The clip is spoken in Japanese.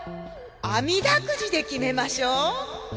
あみだくじで決めましょう。